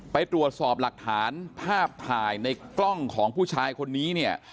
ไปตรวจสอบหลักฐานภาพถ่ายในกล้องของผู้ชายคนนี้เนี่ย